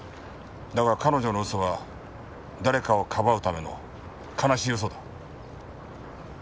だが彼女の嘘は誰かをかばうための悲しい嘘だ。